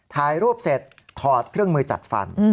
ถ่ายรูปเสร็จถอดเครื่องมือจัดฟัน